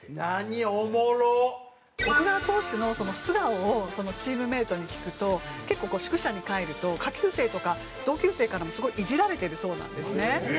奥川投手の素顔をチームメートに聞くと結構宿舎に帰ると下級生とか同級生からもすごいイジられてるそうなんですね。